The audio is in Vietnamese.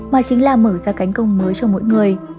mà chính là mở ra cánh công mới cho mỗi người